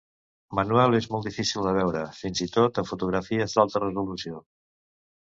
Manuel és molt difícil de veure, fins i tot en fotografies d'alta resolució.